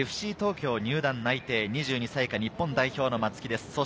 ＦＣ東京入団内定、２２歳以下日本代表の松木です。